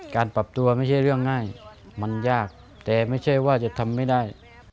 การปรับตัวไม่ใช่เรื่องง่ายมันยากแต่ไม่ใช่ว่าจะทำไม่ได้